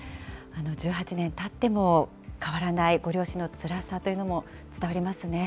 １８年たっても変わらないご両親のつらさというのも伝わりますね。